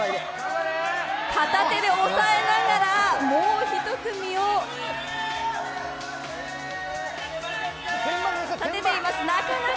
片手で押さえながらもう１組を立てています。